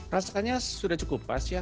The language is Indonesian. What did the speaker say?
rasanya sudah cukup pas ya